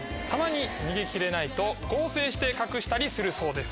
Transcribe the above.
逃げ切れないと合成して隠したりするそうです。